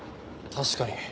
確かに。